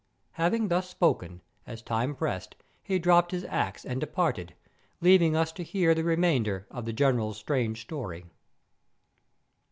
Having thus spoken, as time pressed, he dropped his axe and departed, leaving us to hear the remainder of the General's strange story.